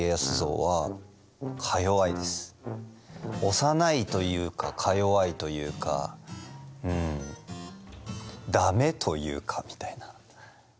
幼いというかかよわいというかうんダメというかみたいな。